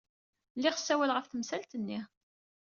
Lliɣ ssawaleɣ ɣef temsalt-nni.